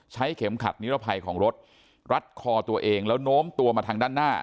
เข็มขัดนิรภัยของรถรัดคอตัวเองแล้วโน้มตัวมาทางด้านหน้า